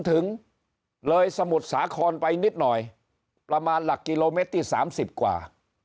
ถึงเลยสมุทรสาครไปนิดหน่อยประมาณหลักกิโลเมตรที่๓๐กว่า